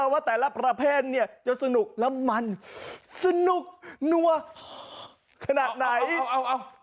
ว่าแต่ละประเภทเนี่ยจะสนุกและมันสนุกนัวขนาดไหน